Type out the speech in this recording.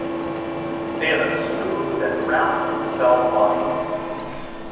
They have a smooth and rounded cell body.